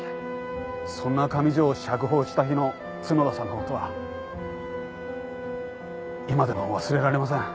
そんな上条を釈放した日の角田さんのことは今でも忘れられません。